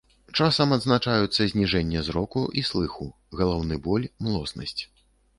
Часам адзначаюцца зніжэнне зроку і слыху, галаўны боль, млоснасць.